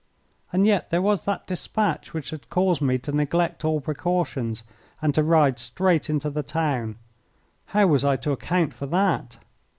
And yet there was that despatch which had caused me to neglect all precautions and to ride straight into the town. How was I to account for that?